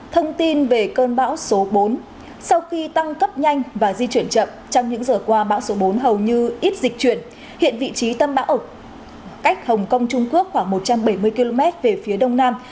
thông tin về cơn bão số bốn sau khi tăng cấp nhanh và di chuyển chậm trong những giờ qua bão số bốn hầu như ít dịch chuyển hiện vị trí tâm bão ở cách hồng kông trung quốc khoảng một trăm bảy mươi km về phía đông nam